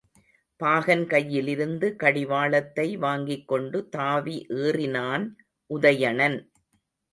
பாகன் கையிலிருந்து கடி வாளத்தை வாங்கிக்கொண்டு தாவி ஏறினான் உதயணன்.